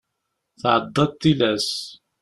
Tɛeddaḍ tilas.